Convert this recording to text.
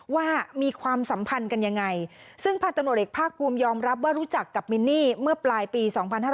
ว่ามีความสัมพันธ์กันยังไงซึ่งพันธุ์ตำรวจเอกภาคภูมิยอมรับว่ารู้จักกับมินนี่เมื่อปลายปี๒๕๕๙